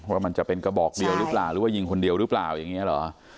ว่ามันจะเป็นกระบอกเดียวหรือเปล่าหรือว่ายิงคนเดียวหรือเปล่าอย่างนี้เหรอ